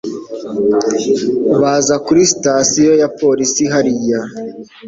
Baza kuri sitasiyo ya polisi hariya.